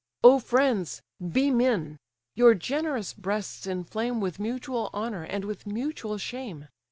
"Oh friends! be men: your generous breasts inflame With mutual honour, and with mutual shame!